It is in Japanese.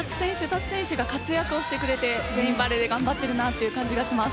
各選手が活躍してくれて全員バレーで頑張ってる感じがします。